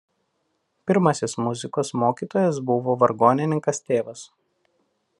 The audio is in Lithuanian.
Pirmasis muzikos mokytojas buvo vargonininkas tėvas.